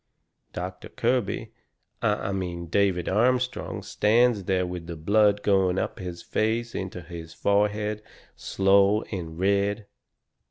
Doctor Kirby I mean David Armstrong stands there with the blood going up his face into his forehead slow and red.